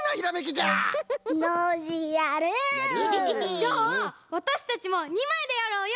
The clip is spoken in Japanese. じゃあわたしたちも２まいでやろうよ！